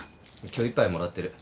今日いっぱいもらってる。